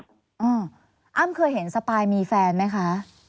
อ้ำเคยเห็นสปายมีแฟนไหมคะ